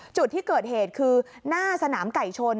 จุดที่เกิดเหตุคือหน้าสนามไก่ชน